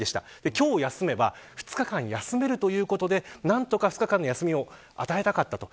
今日休めば２日間休めるということで何とか２日間の休みを与えたかったと。